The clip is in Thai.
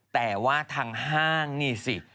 แต่ว่าทางห้างนี่สิ